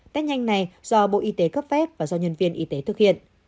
test nhanh này do bộ y tế cấp phép và do nhân viên y tế thực hiện